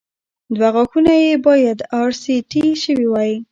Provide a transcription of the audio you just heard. دوه غاښه يې باید ار سي ټي شوي وای